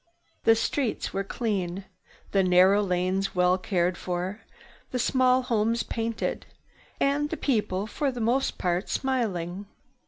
The streets were clean, the narrow lawns well cared for, the small homes painted, and the people, for the most part, smiling.